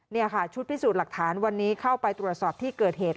นี่ค่ะชุดพิสูจน์หลักฐานวันนี้เข้าไปตรวจสอบที่เกิดเหตุ